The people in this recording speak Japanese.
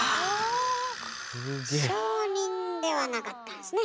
商人ではなかったんですね。